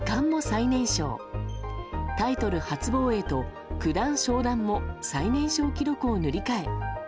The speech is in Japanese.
初防衛と九段昇段も最年少記録を塗り替え